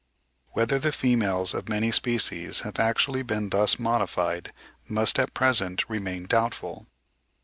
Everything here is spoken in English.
Whether the females of many species have actually been thus modified, must at present remain doubtful.